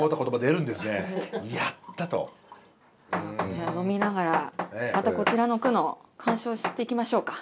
じゃあ飲みながらまたこちらの句の鑑賞していきましょうか。